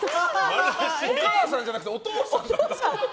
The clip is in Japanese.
お母さんじゃなくてお父さんになった？